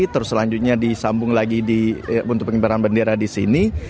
terus selanjutnya disambung lagi untuk pengibaran bendera disini